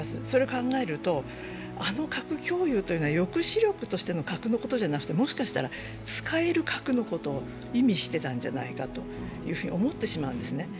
それを考えるとあの核共有というのは抑止力の核共有ではなくてもしかしたら使える核のことを意味してたんじゃないかと思ってしまうんですね。